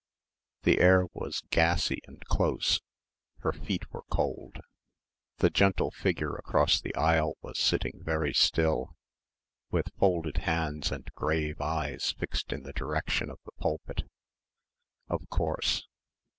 The air was gassy and close, her feet were cold. The gentle figure across the aisle was sitting very still, with folded hands and grave eyes fixed in the direction of the pulpit. Of course.